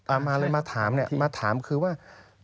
อ่ามาเลยมาถามคือว่า